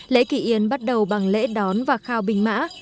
lễ kỳ yên bắt đầu bằng lễ đón và khao bình mã